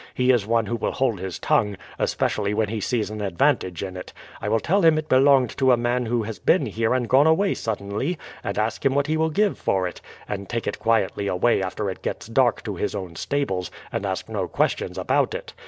He is one who will hold his tongue, especially when he sees an advantage in it. I will tell him it belonged to a man who has been here and gone away suddenly, and ask him what he will give for it, and take it quietly away after it gets dark to his own stables, and ask no questions about it.